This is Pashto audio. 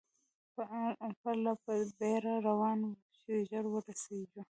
پر پله په بېړه روان وو، چې ژر ورسېږو.